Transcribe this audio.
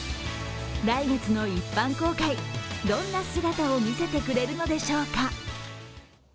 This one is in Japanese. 来月の一般公開、どんな姿を見せてくれるのでしょうか。